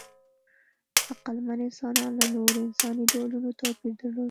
عقلمن انسانان له نورو انساني ډولونو توپیر درلود.